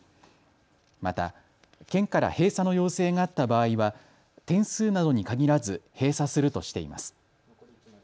また県から閉鎖の要請があった場合は点数などに限らず閉鎖するとしています。